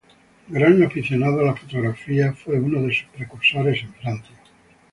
Gran aficionado a la fotografía, fue uno de sus precursores en Francia.